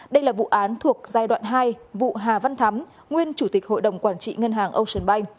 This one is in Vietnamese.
đây là vụ án thuộc giai đoạn hai vụ hà văn thắm nguyên chủ tịch hội đồng quản trị ngân hàng ocean bank